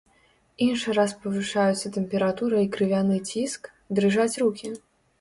Іншы раз павышаюцца тэмпература і крывяны ціск, дрыжаць рукі.